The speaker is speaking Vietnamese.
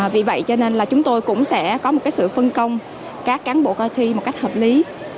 vì vậy cho nên là chúng tôi cũng sẽ có một sự phân công các cán bộ coi thi một cách hợp lý